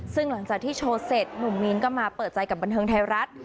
ซึ่งหลังจากที่โชว์เสร็จหนุ่มมีนก็มาเปิดใจกับบันเทิงไทยรัฐ